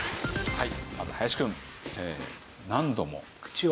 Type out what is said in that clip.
はい。